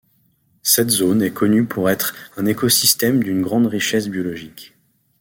Cette zone est connue pour être un écosystème d'une grande richesse biologique.